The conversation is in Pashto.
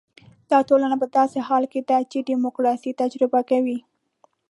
دا ټولنه په داسې حال کې ده چې ډیموکراسي تجربه کوي.